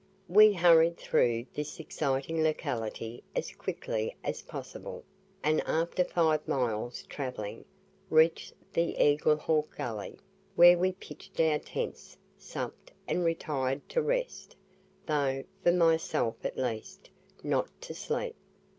We hurried through this exciting locality as quickly as possible; and, after five miles travelling, reached the Eagle Hawk Gully, where we pitched our tents, supped, and retired to rest though, for myself at least, not to sleep.